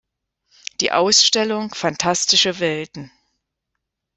Die Ausstellung "Fantastische Welten.